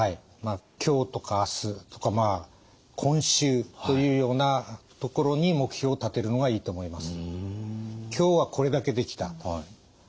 今日とか明日とかまあ今週というようなところに目標を立てるのがいいと思います。